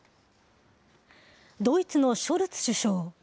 ドイツのショルツ首相。